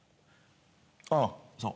ああそう。